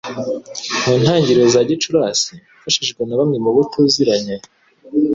mu ntangiriro za Gicurasi, mfashijwe na bamwe mu bo tuziranye,